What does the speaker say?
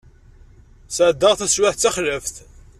Sɛeddaɣ taswiɛt d taxlaft.